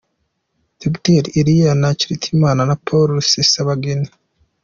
Dr. Elie Ntakirutimana na Paul Rusesabagina